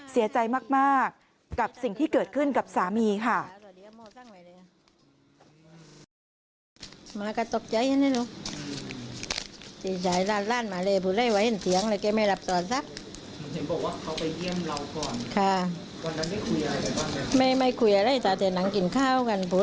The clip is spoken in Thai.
เสียใจมากกับสิ่งที่เกิดขึ้นกับสามีค่ะ